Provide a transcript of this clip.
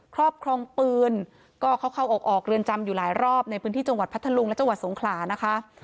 ครอบครองปืนก็เขาเข้าออกเรือนจำอยู่หลายรอบในพื้นที่จังหวัดพัทธลุงและจังหวัดสงขลานะคะ